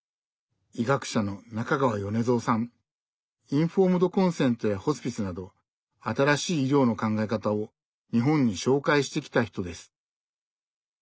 インフォームドコンセントやホスピスなど新しい医療の考え方を日本に紹介してきた人です。